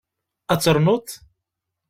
Ad ternuḍ?